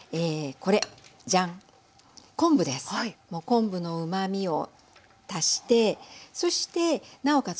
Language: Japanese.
昆布のうまみを足してそしてなおかつ